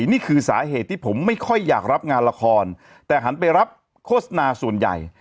นี่คือสาเหตุที่ผมไม่ค่อยอยากรับงานละครแต่หันไปรับโฆษณาส่วนใหญ่